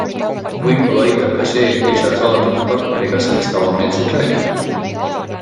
Võib-olla aitab ka see, kui sa saad oma partneriga sellest avameelselt rääkida.